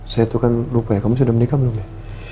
saya itu kan lupa ya kamu sudah menikah belum ya